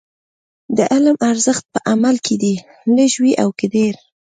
د علم ارزښت په عمل کې دی، لږ وي او که ډېر.